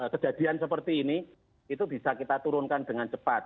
kejadian seperti ini itu bisa kita turunkan dengan cepat